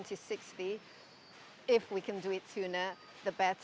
jika kami bisa melakukannya semakin baik